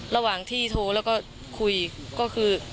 ระหว่างที่โทรแล้วก็คุยก็คือ